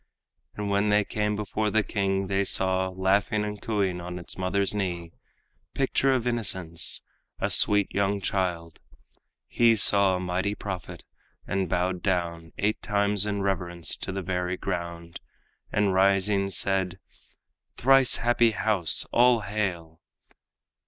And when they came before the king, they saw, Laughing and cooing on its mother's knee, Picture of innocence, a sweet young child; He saw a mighty prophet, and bowed down Eight times in reverence to the very ground, And rising said, "Thrice happy house, all hail!